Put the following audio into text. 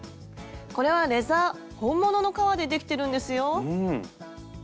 これはレザー本物の革でできてるんですよ。